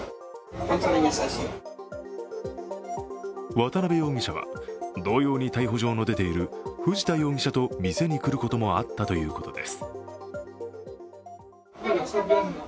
渡辺容疑者は同様に逮捕状の出ている藤田容疑者と店に来ることもあったということです。